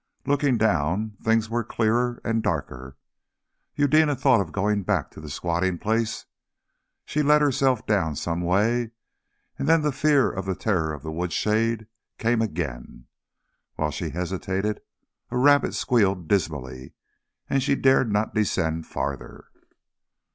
Looking down, things were clearer and darker. Eudena thought of going back to the squatting place; she let herself down some way, and then the fear of the Terror of the Woodshade came again. While she hesitated a rabbit squealed dismally, and she dared not descend farther.